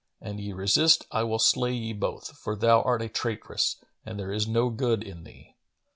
An ye resist, I will slay ye both, for thou art a traitress, and there is no good in thee."